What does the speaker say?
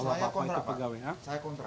saya kontrak pak saya kontrak